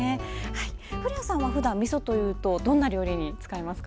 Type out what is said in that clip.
古谷さんは普段、みそというとどんな料理に使いますか？